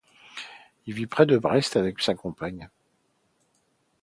Il vit près de Brest avec sa compagne.